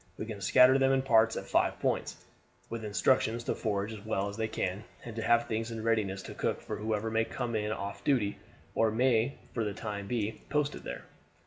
We can scatter them in pairs at five points, with instructions to forage as well as they can, and to have things in readiness to cook for whoever may come in off duty or may for the time be posted there.